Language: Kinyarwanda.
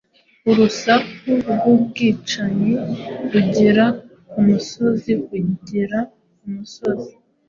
Urusaku rw'ubwicanyi rugera ku musozi kugera ku musozi